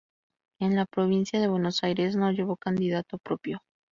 En la provincia de Buenos Aires no llevó candidato propio.